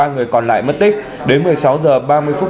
ba người còn lại mất tích đến một mươi sáu h ba mươi phút